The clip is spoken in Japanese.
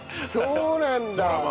そうなんだ。